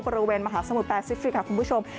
บริเวณมหาสมุทรแปซิฟิกค่ะคุณผู้ชม